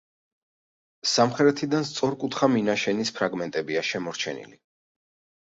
სამხრეთიდან სწორკუთხა მინაშენის ფრაგმენტებია შემორჩენილი.